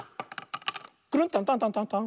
クルンタンタンタンタンタン。